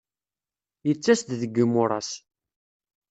Yettas-d deg yimuras.